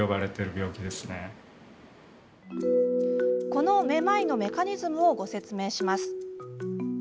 このめまいのメカニズムをご説明します。